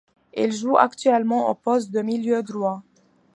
Il joue actuellement au poste de milieu droit.